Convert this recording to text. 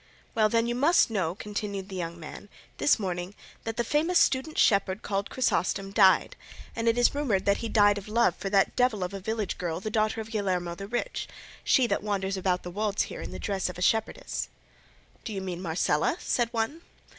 "Well, then, you must know," continued the young man, "this morning that famous student shepherd called Chrysostom died, and it is rumoured that he died of love for that devil of a village girl the daughter of Guillermo the Rich, she that wanders about the wolds here in the dress of a shepherdess." "You mean Marcela?" said one.